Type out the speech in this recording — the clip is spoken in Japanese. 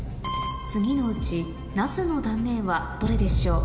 次のうちナスの断面はどれでしょう？